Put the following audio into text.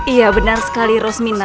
iya benar sekali rosmina